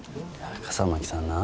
笠巻さんな